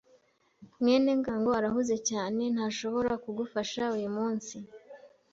mwene ngango arahuze cyane, ntashobora kugufasha uyumunsi.